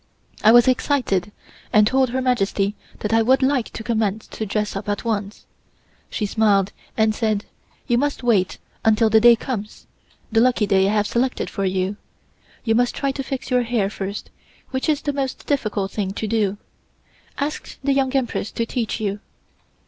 I was excited and told Her Majesty that I would like to commence to dress up at once. She smiled, and said: "You must wait until the day comes, the lucky day I have selected for you. You must try to fix your hair first, which is the most difficult thing to do. Ask the Young Empress to teach you."